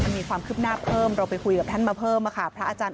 มีความคืบหน้าเพิ่มเราไปคุยกับท่านมาเพิ่มค่ะพระอาจารย์